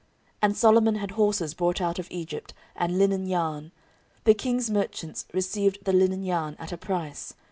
14:001:016 And Solomon had horses brought out of Egypt, and linen yarn: the king's merchants received the linen yarn at a price.